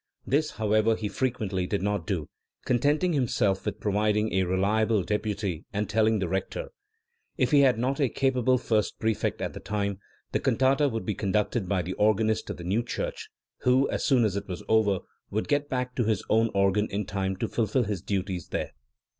This, however, he frequently did not do, con tenting himself with providing a reliable deputy and telling the rector. If he had not a capable first prefect at the time, the cantata would be conducted by the or ganist of the New Church, who, as soon as it was over, would get back to his own organ in time to fulfil his duties there*.